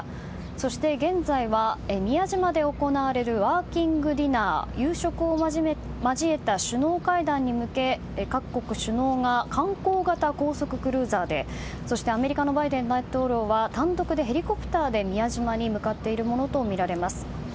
そして現在は、宮島で行われるワーキングディナー夕食を交えた首脳会談に向け各国首脳が観光型高速クルーザーでそしてアメリカのバイデン大統領は単独でヘリコプターで宮島に向かっているものとみられます。